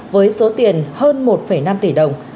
với số tiền hơn một năm tỷ đồng